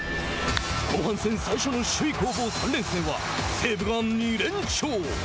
後半戦最初の首位攻防３連戦は西武が２連勝。